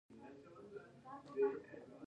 دغه تعلیمي حوزه د منابعو په اساس ټاکل شوې ده